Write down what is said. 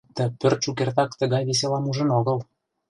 Ты пӧрт шукертак тыгай веселам ужын огыл.